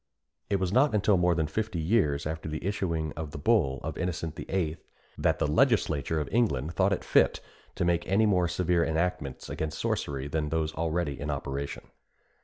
It was not until more than fifty years after the issuing of the bull of Innocent VIII. that the legislature of England thought fit to make any more severe enactments against sorcery than those already in operation.